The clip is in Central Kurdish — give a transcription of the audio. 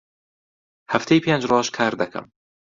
هەفتەی پێنج ڕۆژ کار دەکەم.